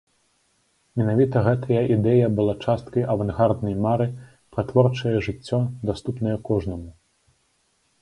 Менавіта гэтая ідэя была часткай авангарднай мары пра творчае жыццё, даступнае кожнаму.